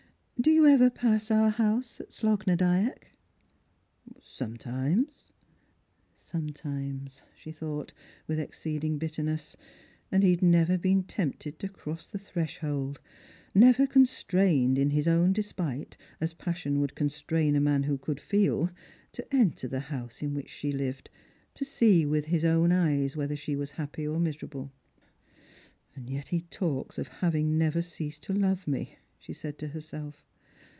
Do you ever pass our house at Slogh na Dyack ?"" Sometimes." " Sometimes," she thought, with exceeding bitterness ; and he had never been tempted to cross the threshold, never con strained, in his own despite, as passion would constrain a man who could feel, to enter the house in which she lived, to see with his own eyes whether she was happy or miserable. "And yet he talks of having never ceased to love me," she said to herself.